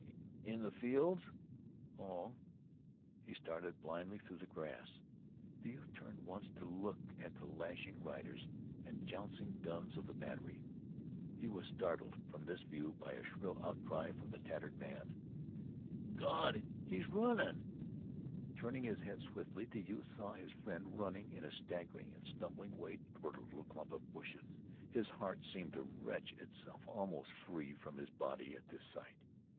"Oh! Inteh th' fields? Oh!" He started blindly through the grass. The youth turned once to look at the lashing riders and jouncing guns of the battery. He was startled from this view by a shrill outcry from the tattered man. "Gawd! He's runnin'!" Turning his head swiftly, the youth saw his friend running in a staggering and stumbling way toward a little clump of bushes. His heart seemed to wrench itself almost free from his body at this sight.